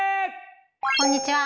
こんにちは。